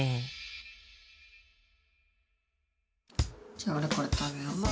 じゃあおれこれ食べよう。